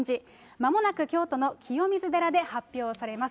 まもなく京都の清水寺で発表されます。